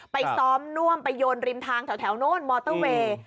ไปซ้อมน่วมไปโยนริมทางแถวโน่นมอเตอร์เวย์